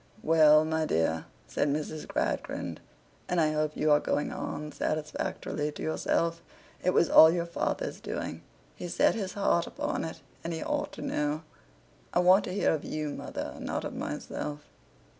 'Well, my dear,' said Mrs. Gradgrind, 'and I hope you are going on satisfactorily to yourself. It was all your father's doing. He set his heart upon it. And he ought to know.' 'I want to hear of you, mother; not of myself.